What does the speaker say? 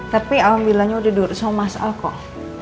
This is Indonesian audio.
tapi awam bilangnya udah duduk so masal kok